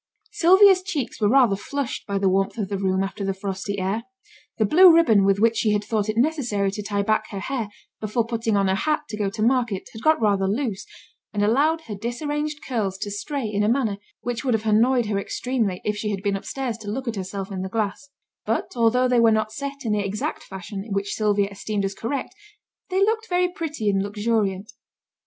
Sylvia's cheeks were rather flushed by the warmth of the room after the frosty air. The blue ribbon with which she had thought it necessary to tie back her hair before putting on her hat to go to market had got rather loose, and allowed her disarranged curls to stray in a manner which would have annoyed her extremely, if she had been upstairs to look at herself in the glass; but although they were not set in the exact fashion which Sylvia esteemed as correct, they looked very pretty and luxuriant.